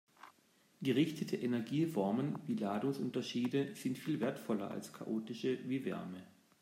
Gerichtete Energieformen wie Ladungsunterschiede sind viel wertvoller als chaotische wie Wärme.